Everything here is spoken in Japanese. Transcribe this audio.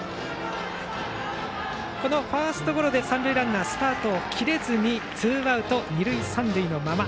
ファーストゴロで三塁ランナーがスタートを切れずツーアウト、二塁三塁のまま。